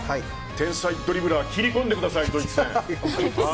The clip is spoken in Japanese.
天才ドリブラー切り込んでください、ドイツ戦。